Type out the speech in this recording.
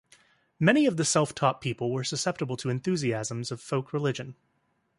Many of the self-taught people were susceptible to enthusiasms of folk religion.